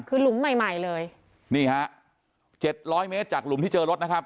คือหลุมใหม่ใหม่เลยนี่ฮะเจ็ดร้อยเมตรจากหลุมที่เจอรถนะครับ